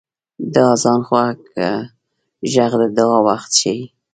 • د آذان خوږ ږغ د دعا وخت ښيي.